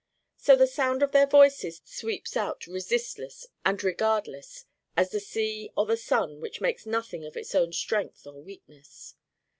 So the Sound of their Voices sweeps out resistless and regardless as the sea or the sun which makes nothing of its own strength or weakness.